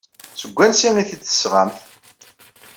Seg wansi ay t-id-tesɣamt?